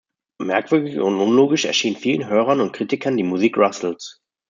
Merkwürdig und unlogisch erschien vielen Hörern und Kritikern die Musik Russells.